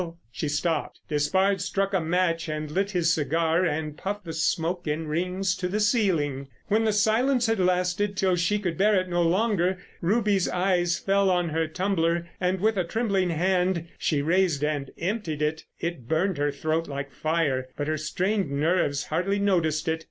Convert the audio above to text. She stopped. Despard struck a match and lit his cigar and puffed the smoke in rings to the ceiling. When the silence had lasted till she could bear it no longer Ruby's eyes fell upon her tumbler, and with a trembling hand she raised and emptied it. It burned her throat like fire, but her strained nerves hardly noticed it.